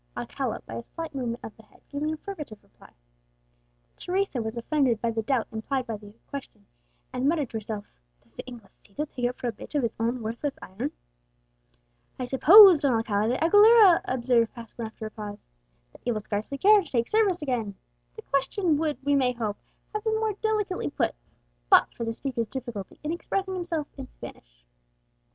Alcala, by a slight movement of the head, gave an affirmative reply. Teresa was offended by the doubt implied by the question, and muttered to herself, "Does the Inglesito take it for a bit of his own worthless iron?" "I suppose, Don Alcala de Aguilera," observed Passmore after a pause, "that you will scarcely care to take service again?" The question would, we may hope, have been more delicately put, but for the speaker's difficulty in expressing himself in Spanish.